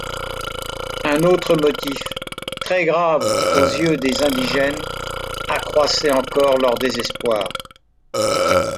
Un autre motif, très-grave aux yeux des indigènes, accroissait encore leur désespoir.